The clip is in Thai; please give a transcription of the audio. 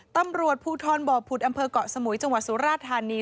ตำรวจภูทรบ่อผุดอำเภอกเกาะสมุยจังหวัดสุราธานี